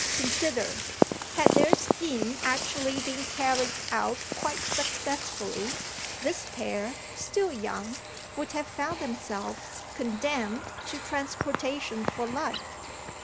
Consider. Had their scheme actually been carried out quite successfully, this pair, still young, would have found themselves condemned to transportation for life.